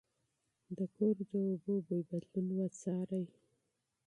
د کور د اوبو بوی بدلون وڅارئ.